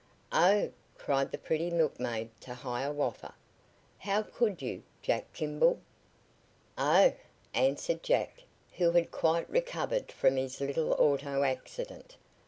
"Oh!" cried the pretty milkmaid to Hiawatha. "How could you Jack Kimball?" "Oh!" answered Jack, who had quite recovered from his little auto accident.